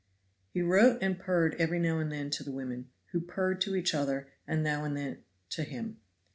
He wrote and purred every now and then to the women, who purred to each other and now and then to him.